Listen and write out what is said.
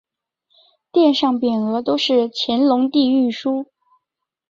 殿上匾额都是乾隆帝御书。